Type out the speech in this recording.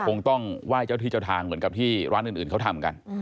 คงต้องไหว้เจ้าที่เจ้าทางเหมือนกับที่ร้านอื่นเขาทำกัน